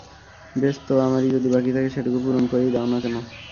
বেশ তো, আমারই যদি বাকি থাকে সেটুকু পূরণ করেই দাও-না কেন?